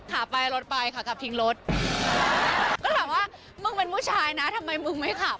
ก็แบบว่าเมื่อมาเป็นผู้ชายทำไมไม่ขาบ